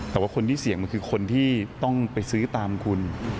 แต่ว่าคนที่เสี่ยงมันคือคนที่ต้องไปซื้อตามคุณ